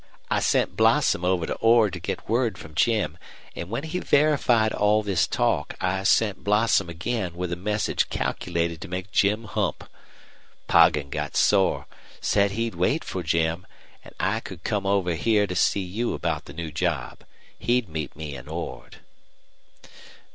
I sent Blossom over to Ord to get word from Jim, an' when he verified all this talk I sent Blossom again with a message calculated to make Jim hump. Poggin got sore, said he'd wait for Jim, an' I could come over here to see you about the new job. He'd meet me in Ord."